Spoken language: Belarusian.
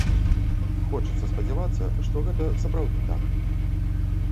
Хочацца спадзявацца, што гэта сапраўды так.